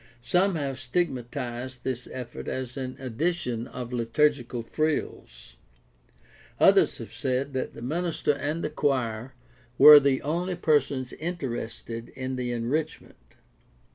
Some have stigmatized this effort as an addition of liturgical frills. Others have said that the minister and the choir were the only persons inter ested in the enrichment.